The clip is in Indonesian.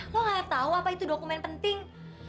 lo nggak tahu apa itu dokumen penting